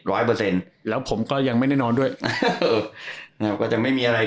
เปอร์เซ็นต์แล้วผมก็ยังไม่ได้นอนด้วยเออนะครับก็จะไม่มีอะไร